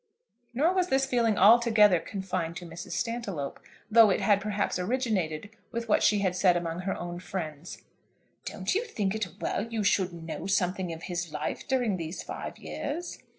Nor was this feeling altogether confined to Mrs. Stantiloup, though it had perhaps originated with what she had said among her own friends. "Don't you think it well you should know something of his life during these five years?"